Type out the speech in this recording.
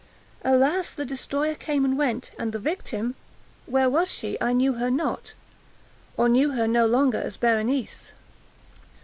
Alas! the destroyer came and went!—and the victim—where is she? I knew her not—or knew her no longer as Berenice.